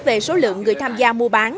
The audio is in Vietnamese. về số lượng người tham gia mua bán